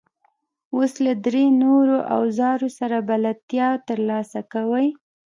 اوس له درې نورو اوزارونو سره بلدیتیا ترلاسه کوئ.